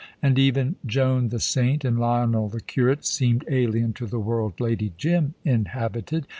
And even Joan the saint and Lionel the curate seemed alien to the world Lady Jim inhabited.